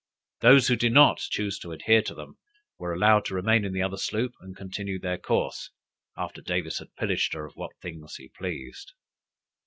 Those who did not choose to adhere to them were allowed to remain in the other sloop, and continue their course, after Davis had pillaged her of what things he pleased.